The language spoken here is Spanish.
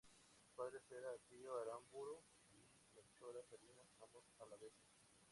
Sus padres eran Pío Aramburu y Melchora Salinas, ambos alaveses.